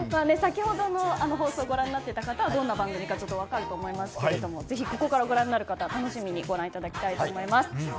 先ほどの放送をご覧になっていた方はどんな番組か分かると思いますがぜひここからご覧になる方は楽しみにご覧いただきたいと思います。